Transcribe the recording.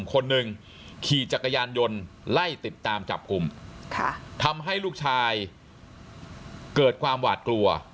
คนหนึ่งขี่จักรยานยนต์ไล่ติดตามจับกลุ่มทำให้ลูกชายเกิดความหวาดกลัว